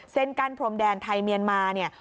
เส้นกั้นพรมแดนไทยเมียนมาเนี่ย